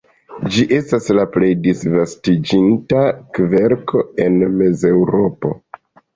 Ĝi estas la plej disvastiĝinta kverko en Mezeŭropo.